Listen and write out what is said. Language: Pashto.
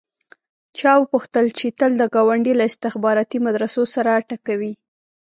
چا وپوښتل چې تل د ګاونډ له استخباراتي مدرسو سر ټکوې.